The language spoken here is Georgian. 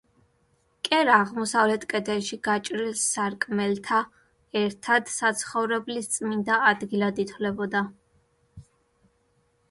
კერა აღმოსავლეთ კედელში გაჭრილ სარკმელთა ერთად საცხოვრებლის წმინდა ადგილად ითვლებოდა.